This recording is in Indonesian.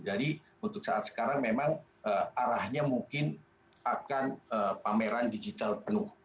jadi untuk saat sekarang memang arahnya mungkin akan pameran digital penuh